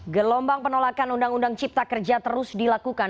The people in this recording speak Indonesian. gelombang penolakan undang undang cipta kerja terus dilakukan